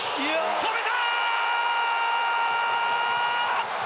止めた！